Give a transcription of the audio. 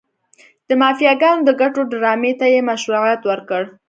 د مافیاګانو د ګټو ډرامې ته یې مشروعیت ورکړ.